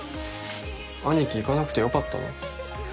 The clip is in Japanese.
兄貴行かなくてよかったの？